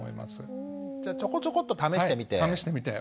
ちょこちょこっと試してみて？